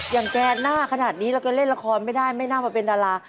อย่างแกหน้าขนาดนี้แล้วก็เล่นละครไม่ได้ไม่น่ามาเป็นดารา